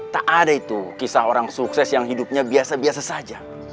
tak ada itu kisah orang sukses yang hidupnya biasa biasa saja